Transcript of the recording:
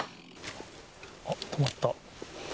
あっ、止まった。